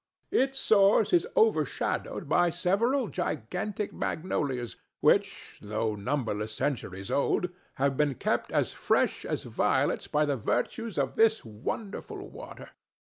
Its source is overshadowed by several gigantic magnolias which, though numberless centuries old, have been kept as fresh as violets by the virtues of this wonderful water.